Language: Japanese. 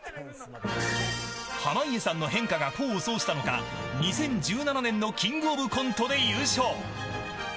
濱家さんの変化が功を奏したのか２０１７年のキングオブコントで優勝。